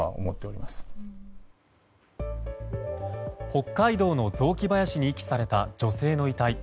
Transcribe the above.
北海道の雑木林に遺棄された女性の遺体。